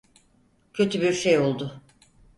Kötü bir şey oldu.